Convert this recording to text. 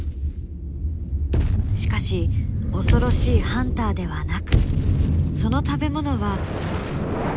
しかし恐ろしいハンターではなくその食べ物は。